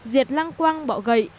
diệt lan quang bỏ gãi